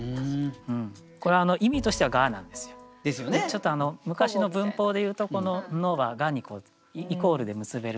ちょっと昔の文法でいうとこの「の」が「が」にイコールで結べる。